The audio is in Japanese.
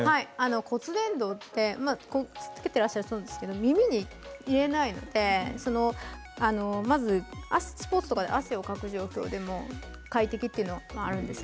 骨伝導ってつけてらっしゃるとそうなんですけど耳に入れないのでスポーツとかで汗をかく状況でも快適というのがあるんです。